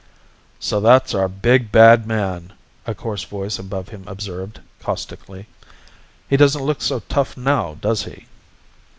"So that's our big, bad man," a coarse voice above him observed caustically. "He doesn't look so tough now, does he?"